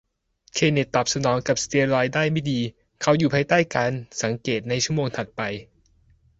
เคนเนธตอบสนองกับสเตียรอยด์ได้ไม่ดี เขาอยู่ภายใต้การสังเกตในชั่วโมงถัดไป